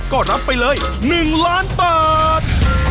ก็รับไปเลย๑ล้านบาท